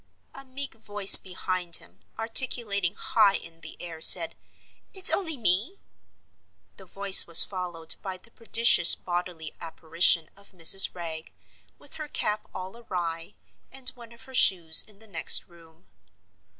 A meek voice, behind him, articulating high in the air, said, "It's only me." The voice was followed by the prodigious bodily apparition of Mrs. Wragge, with her cap all awry, and one of her shoes in the next room.